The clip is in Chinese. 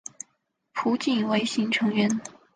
浦井唯行成员。